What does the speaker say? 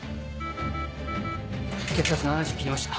血圧７０を切りました